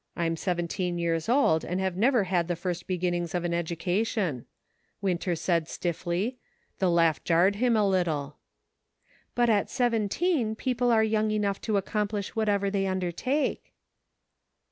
"I'm seventeen years old, and have never had the first beginnings of an education," Winter said stiffly; the laugh jarred him a little. " But at seventeen people are young enough to accomplish whatever they undertake."